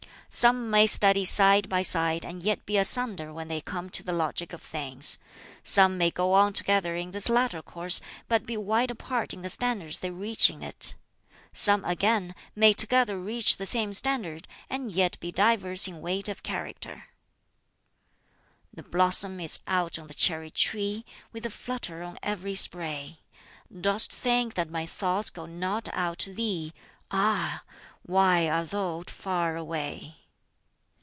"Some may study side by side, and yet be asunder when they come to the logic of things. Some may go on together in this latter course, but be wide apart in the standards they reach in it. Some, again, may together reach the same standard, and yet be diverse in weight of character." "The blossom is out on the cherry tree, With a flutter on every spray. Dost think that my thoughts go not out to thee? Ah, why art thou far away!"